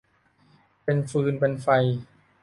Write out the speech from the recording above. เป็นฟืนเป็นไฟ